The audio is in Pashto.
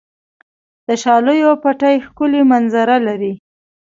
د شالیو پټي ښکلې منظره لري.